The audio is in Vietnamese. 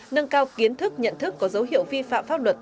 nâng cao kiến thức nhận thức có dấu hiệu vi phạm pháp luật